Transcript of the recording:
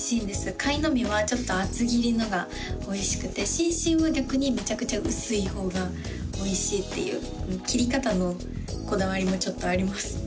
カイノミはちょっと厚切りのがおいしくてシンシンは逆にめちゃくちゃ薄い方がおいしいっていう切り方のこだわりもちょっとあります